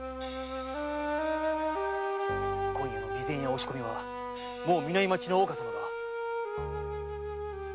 今夜の備前屋押し込みはもう南町の大岡様が。